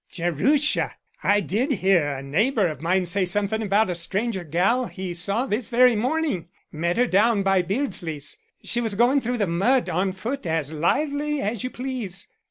"Jerusha! I did hear a neighbor of mine say somethin' about a stranger gal he saw this very mornin'. Met her down by Beardsley's. She was goin' through the mud on foot as lively as you please.